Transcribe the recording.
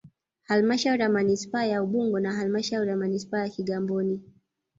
Halmashauri ya Manispaa ya Ubungo na Halmashauri ya Manispaa ya Kigamboni